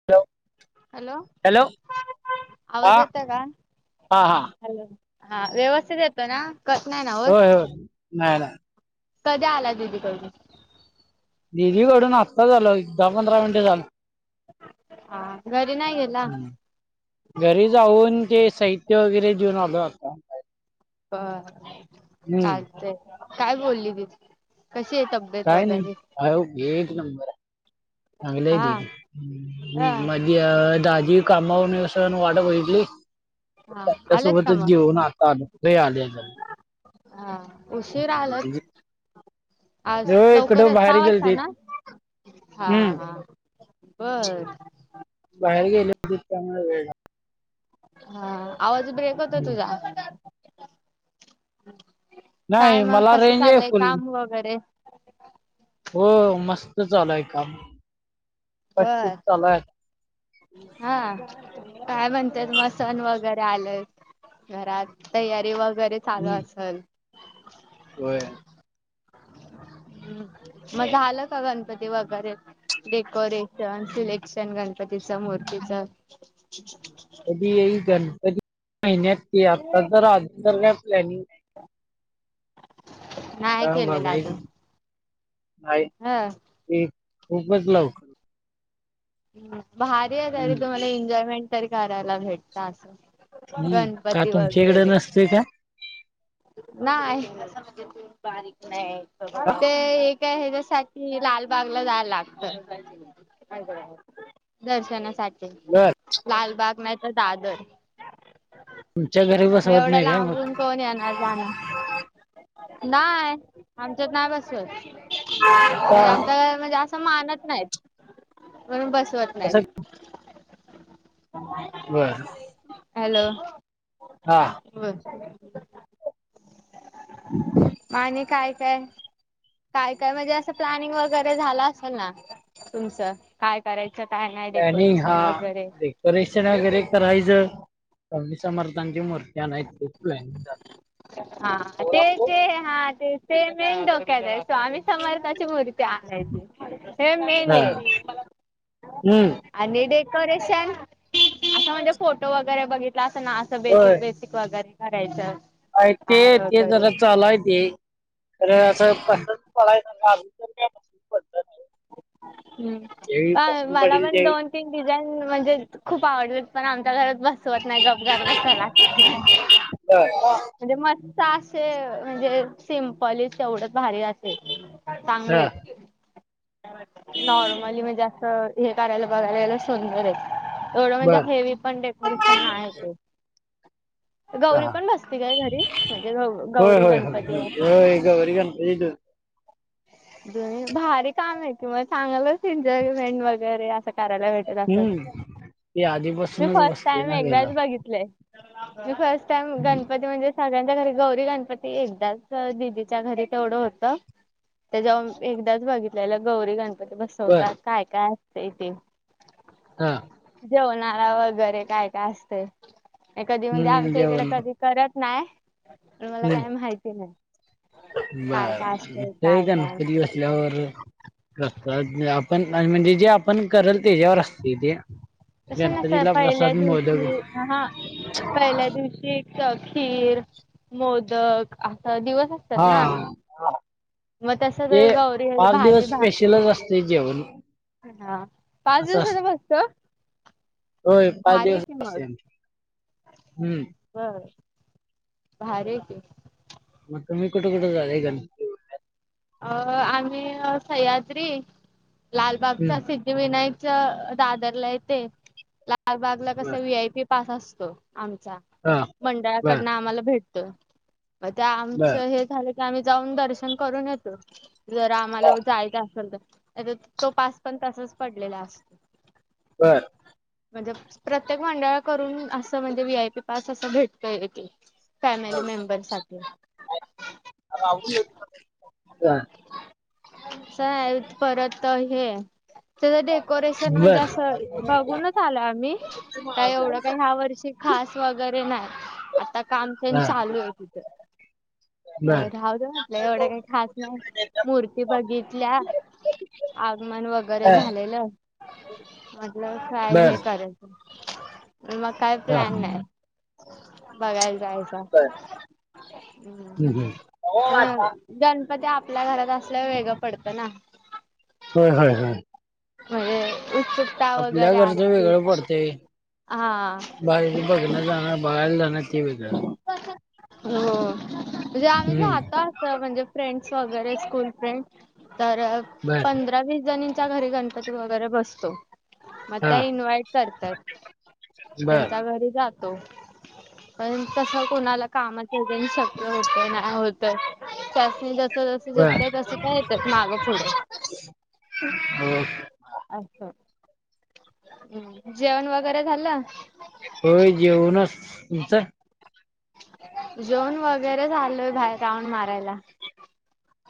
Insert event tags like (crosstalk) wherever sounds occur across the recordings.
(unintelligible) Hello hello हा आवाज येत का? हा हा हॅलो. हा व्यवस्थित येतो ना, कट नाही ना होत. होय होय नाही नाही कधी आला दीदी काढण? दीदी कडून आत्ता आलोय, दहा पंधरा मिनिटे झालं. हां घरी नाही येत. हं घरी जाऊन ते साहित्य, वगैरे घेऊन आलोय आता. अ हम्म चालतंय काय बोलली ती कशी आहे तबेत. काय नाही, एक नंबर ये. चांगलीये हा दीदी हा (unintelligible) अं.. दाजी कामावरून येवू पर्यंत वाट बघितली. हा आलत का त्यांच्यासोबतच मग जेवून आता आलोय आले घरी. हा उशीर आलंत. आज लय इकडं लवकरच बाहेर सहा वाजता गेलते ना? हा हम्म हा बर. बाहेर गेलेत, त्यामुळे वेळ झाला. हा आवाज ब्रेक होतो हम्म. तुझा. काय नाही मग मला कसं रेंज आहे चालय फुल काम वगैरे? हो मस्त चालूय काम. पटशिफ्ट बरं. चालू आहे हां.. काय म्हणत्यात सण वगैरे आलंय. घरात तयारी वगैरे चालू हम्म असल. होय. हम् मग झालं का, गणपती वगैरे. डेकोरेशन सिलेक्शन, गणपतीच मूर्तीच. कधी येईल गणपती महिन्यात, आता तर आ का प्लॅनिंग. नाही केलेलं (unintelligible) हा. ते खूपच लावू. हम्म भारी आहे तरी हम्म तुम्हाला एन्जॉयमेंट तरी करायला भेटत असं. हम्म का गणपती तुमच्या इकडे वगैरे. नसते का नाय, बारीक नाही का? ते. त्या हेच्यासाठी, लालबागला जायला लागत. दर्शनासाठी बर लालबाग नाही तर दादर. तुमच्या घरी मग बसवत एवढ्या नाही काय मग लांबून कोण येणार जाणार, नाही आमच्यात नाय बसवत. हा म्हणजे आमच्या (unintelligible) असं मानत नाहीत. म्हणून बसवत तसं नाहीत. बर हॅलो हा बोल. आणि काय काय. काय काय म्हणजे असं प्लॅनिंग वगैरे झालं असेल ना तुमचं? काय करायचं काय, नाही डेकोरेशन वगैरे. परीक्षण वगैरे करायचं. स्वामी समर्थांची मु हा ते झालं ते, हा ते. ते मेन धोक्यात आहे, स्वामी समर्थाची मूर्ती आणायची हे मेन आहे. हम. आणि डेकोरेशन असं म्हणजे, फोटो वगैरे बघितलं असेल ना असं बेसिक बेस. स्वागत वगैरे करायचं. अ ते काय ते वगैरे जरा चालूय ते. तर असं पसंत पडायचं कारण (unintelligible) हम्म. काय पसंत मला पडेल पण त्यावेळी दोन फिंग डिझाईन म्हणजे खूप आवडतात पण आमच्या घरात बसत स्वतः नाही, गप गार बसावं लागतंय. बर म्हणजे मस्त असे म्हणजे, सिम्पली तेवढच भारी असेल. चांगले हा आहेत. नॉर्मली म्हणजे असं हे करायला बघायला गेला सुंदर आहे. एवढं म्हणजे बर हेवी पण, डेकोरेशन नाय आहे ते. गौरी हा पण बसती काय घरी म्हणजे, ग होय गौरी होय होय गणपती होय. वगैरे. होय गौरी गणपती दूध भारी काम आहे की मग चांगलंच एन्जॉयमेंट वगैरे असं करायला भेट हम्म ती मी आधीपासूनच फर्स्ट बसते टाइम ना एकदाच गेला बघितलंय. मी फर्स्ट टाइम गणपती म्हणजे सगळ्यांच्या, घरी गौरी गणपती एकदाच दिदीच्या घरी तेवढं होतं. त्याच्याहून एकदाच बघितलेलं, गौरी गणपती बर बसवतात. काय काय असतंय ते. हां. जेवणारा वगैरे काय काय असतंय. कधी म्हणजे हम्म आमच्या इकडे जेवण कधी करत नाही आणि मला काय माहिती नाही. काय काय बरं. असतंय ते एकदा काय काय गणपती नाही. बसल्यावर कस आपण म्हणजे, जे आपण करल तेच्यावर असते ते. तस नसतं गणपतीला पहिल्या प्रसाद मोदक दिवशी अ हा पहिल्या दिवशी खीर मोदक असा दिवस. असतात ना हां. मग तस ते तर गौरी पाच भाजी दिवस भाकरी स्पेशलच असतंय जेवण. हा पाच असं असत दिवसाचा बसतो. होय पाच भारी दिवस की मग असते आमची हम्म बर. भारी आहे की. मग तुम्ही कुठ, कुठं जाताय ना. अं.. आम्ही सह्याद्री हम्म लालबागचा सि विनायकच दादरला येते. लालबागला कस बर व्ही आय पी पास असतो आमचा, हा बर मंडळाकडनं आम्हाला भेटतो. मग ते बर आमचं हे झालं की, आम्ही जाऊन दर्शन करून येतो. जर आम्हाला हा, जायचं असेल, नाहीतर तो पास पण तसाच पडलेला असतो. बर. म्हणजे. प्रत्येक मंडळा करून असं म्हणजे वी. आय. पी पास असं भेटतय की. फॅमिली मेंबर साठी‌. (unintelligible) सय परत हे. त्याचं डेकोरेशन म्हणजे बर असं, बघूनच आलो आम्ही काय एवढं काही ह्या वर्षी‌ खास वगैरे नाही आता. काम पण हा चालू आहे तिथ बर राहू दे, म्हटलंय एवढं काही खास. नाही. मूर्ती बघितल्या, आगमन वगैरे हा, झालंय. हॅलो, म्हटल काय बर हे करल मग. काय हा प्लॅन नाही बघायला जायचा. ह् ह हो पण आता. गणपती आपल्या घरात असल्यावर वेगळं पडतं ना. होय होय होय. म्हणजे, उत्सुक आपल्या घरचं वेगळं पडतेय. हा बाहेच बघण जाण, बघायला जाणार ते वेगळं. हो म्हणजे आम्ही हम्म राहतो अस म्हणजे. फ्रेंड्स वगैरे स्कूल फ्रेंड तर बर पंधरा वीस जणीच्या घरी गणपती. पती वगैरे बसतो. मग हा त्या इन्व्हाइट करतात बर त्यांच्या घरी जातो. पण तस कोणाला कामाच जन शक्य होत नाही होत. त्यासनी तसं जसं जसं झेपत्या बर तसं त्या येतात मागं पुढे. हो. असं जेवण वगैरे झालं. होय जेऊनच तुमचं. जेवून वगैरे झालोय, बाहेर राऊंड मारायला.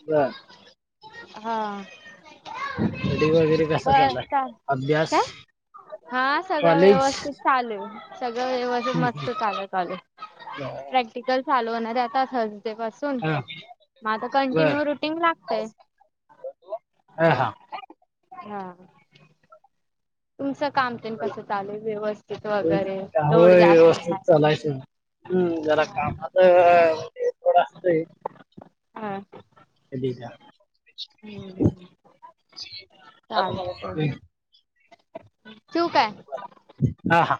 बर. हा बर स्टडी वगैरे कसा चाललाय अभ्यास (unintelligible) हा सगळं कॉलेज व्यवस्थित. चालू आहे सगळं व्यवस्थित हम्म, हम्म. मस्त चालू आहे कॉलेज प्रॅक्ट. बर प्रक्टिकल चालू होणार आहे आता थर्सडे पासून हा, मग आता कंटिन्यू रुटीन लागतय. हा हा. हा. तुमचं काम ते बोला कसं चालेल व्यवस्थित वगैरे लोड जास्त नाही. लायसन. हम्म जरा कामाच आहे थोडं असतय. हा (unintelligible) हम्म चालतंय. ठेव काय. हा हां..